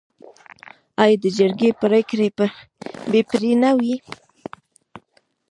آیا د جرګې پریکړه بې پرې نه وي؟